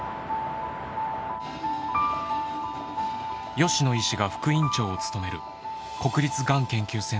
吉野医師が副院長を務める国立がん研究センター東病院。